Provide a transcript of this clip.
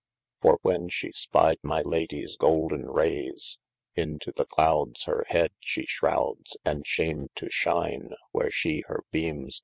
For when she spied my Ladies golden rates, Into the cloudes, Hir head she shroudes, And shamed to shine where she hir beames displaies.